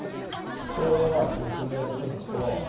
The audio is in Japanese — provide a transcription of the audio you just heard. ちょうど説明すると。